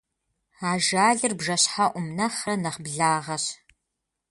Ажалыр бжэщхьэӀум нэхърэ нэхь благъэщ.